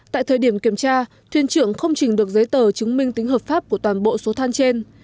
tại thời điểm kiểm tra thuyền trưởng không trình được giấy tờ chứng minh tính hợp pháp của toàn bộ số than trên